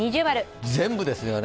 全部ですよね。